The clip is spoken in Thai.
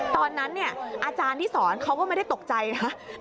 ตอนนั้นอาจารย์ที่สอนเขาก็ไม่ได้ตกใจนะ